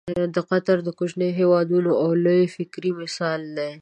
قطر د کوچني هېواد او لوی فکر مثال دی.